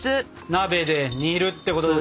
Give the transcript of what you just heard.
鍋で煮るってことですね？